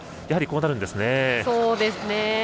やはりこうなりますね。